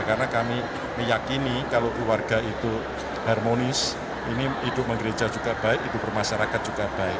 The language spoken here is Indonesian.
karena kami meyakini kalau keluarga itu harmonis ini hidup gereja juga baik hidup masyarakat juga baik